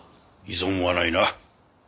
異存はないな？